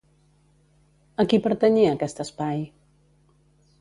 A qui pertanyia aquest espai?